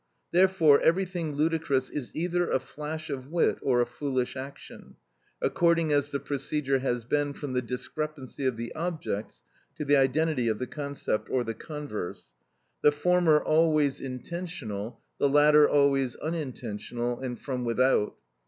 Therefore everything ludicrous is either a flash of wit or a foolish action, according as the procedure has been from the discrepancy of the objects to the identity of the concept, or the converse; the former always intentional, the latter always unintentional, and from without.